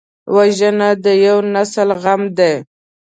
وژنه د یو نسل غم دی